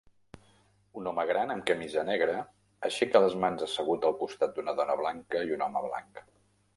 Un home gran amb camisa negra aixeca les mans assegut al costat d'una dona blanca i un home blanc.